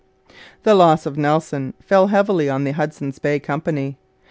The loss of Nelson fell heavily on the Hudson's Bay Company.